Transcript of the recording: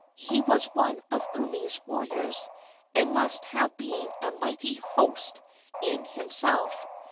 He was one of Umi's warriors, and must have been a mighty host in himself.